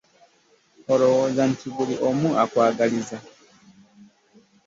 Olowooza nti buli omu akwagaliza?